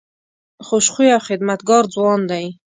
خوش خویه او خدمتګار ځوان دی.